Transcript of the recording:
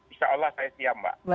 insya allah saya siap mbak